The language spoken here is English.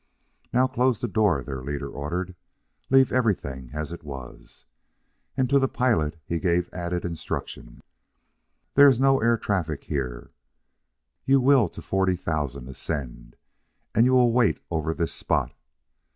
"Now close the doors!" their leader ordered. "Leave everything as it was!" And to the pilot he gave added instructions: "There iss no air traffic here. You will to forty thousand ascend, und you will wait over this spot."